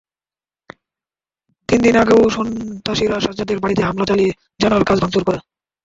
তিন দিন আগেও সন্ত্রাসীরা সাজ্জাদের বাড়িতে হামলা চালিয়ে জানালার কাচ ভাঙচুর করে।